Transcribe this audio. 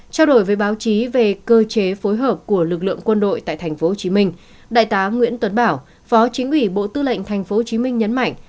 trao đổi với báo chí về cơ chế phối hợp của lực lượng quân đội tại tp hcm đại tá nguyễn tuấn bảo phó chính ủy bộ tư lệnh tp hcm nhấn mạnh